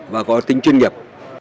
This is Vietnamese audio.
và có tính chuyên nghiệp